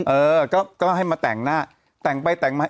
เออก็ให้มาแต่งหน้าแต่งไปแต่งมา